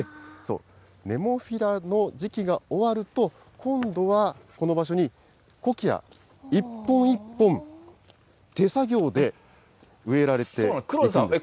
ネモフィラの時期が終わると、今度はこの場所にコキア、一本一本、手作業で植えられていくんですね。